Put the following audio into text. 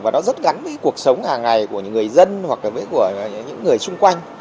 và nó rất gắn với cuộc sống hàng ngày của những người dân hoặc là với của những người xung quanh